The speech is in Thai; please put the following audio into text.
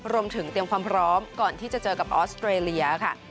เตรียมความพร้อมก่อนที่จะเจอกับออสเตรเลียค่ะ